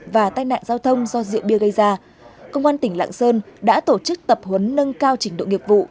và tai nạn giao thông do rượu bia gây ra công an tỉnh lạng sơn đã tổ chức tập huấn nâng cao trình độ nghiệp vụ